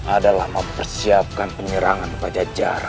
adalah mempersiapkan penyerangan pada jarak